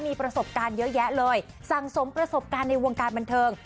มีประสบการณ์เยอะแยะเลยสั่งสมประสบการณ์ในวงการบันเทิง